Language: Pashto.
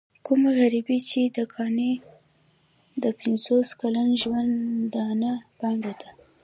کومه غريبي چې د قانع د پنځوس کلن ژوندانه پانګه ده.